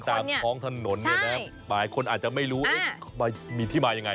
ตามท้องถนนเนี่ยนะหลายคนอาจจะไม่รู้มีที่มายังไง